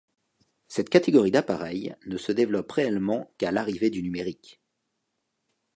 Cette catégorie d'appareil ne se développe réellement qu'à l'arrivée du numérique.